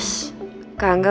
udah ke kamar dulu